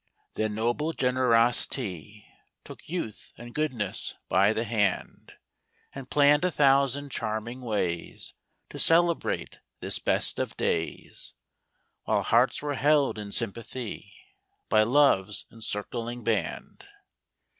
Then noble generosity Took youth and goodness by the hand, And planned a thousand charming ways To celebrate this best of days, While hearts were held in sympathy By love's encircling band.